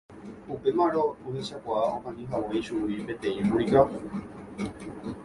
Upémarõ ohechakuaa okañyhague ichugui peteĩ mburika